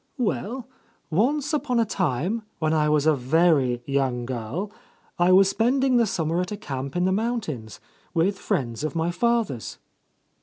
Well, once upon a time, — 163 — A Lost Lady when I was a very young girl, I was spending the summer at a camp in the mountains, with friends of my father's."